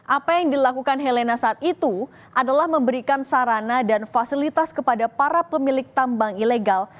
apa yang dilakukan helena saat itu adalah memberikan sarana dan fasilitas kepada para pemilik tambang ilegal